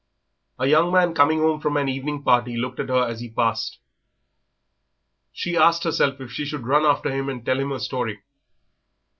A young man coming home from an evening party looked at her as he passed. She asked herself if she should run after him and tell him her story.